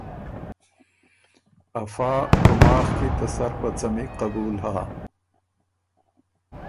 افا کُوماخ کی ته سر په څمی قبول هۀ